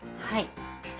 はい。